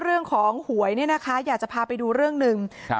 หวยเนี่ยนะคะอยากจะพาไปดูเรื่องหนึ่งครับ